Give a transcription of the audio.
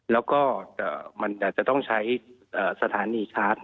แล้วก็มันจะต้องใช้สถานีชาร์จ